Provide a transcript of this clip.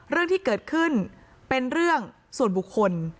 เรื่องที่เกิดขึ้นเป็นเรื่องส่วนบุคคล